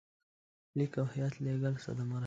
لیک او هیات لېږل صدمه رسوي.